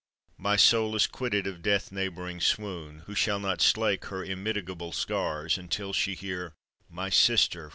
My soul is quitted of death neighbouring swoon, Who shall not slake her immitigable scars Until she hear "My sister!"